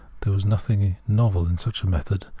There was nothing novel in such a method.